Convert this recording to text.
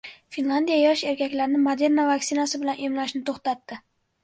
Finlyandiya yosh erkaklarni Moderna vaksinasi bilan emlashni to‘xtatdi